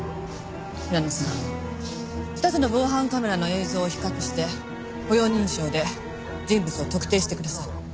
平野さん２つの防犯カメラの映像を比較して歩容認証で人物を特定してください。